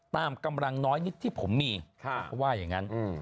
กำลังน้อยนิดที่ผมมีเขาว่าอย่างนั้น